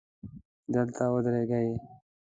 دلته ودرېږئ